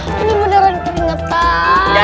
ini beneran keringetan